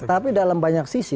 tapi dalam banyak sisi